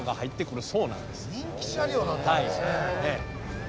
人気車両なんてあるんですね。